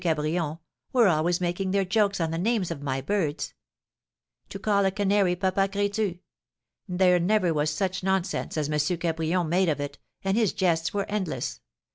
Cabrion were always making their jokes on the names of my birds. To call a canary Papa Crétu! There never was such nonsense as M. Cabrion made of it, and his jests were endless.